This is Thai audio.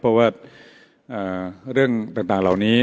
เพราะว่าเรื่องต่างเหล่านี้